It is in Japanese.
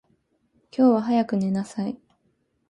今日は早く寝なさい。